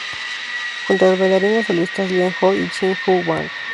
Junto a las bailarinas solistas Lian Ho y Chien-Ju Wang.